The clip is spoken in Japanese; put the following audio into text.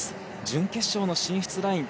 準決勝の進出ライン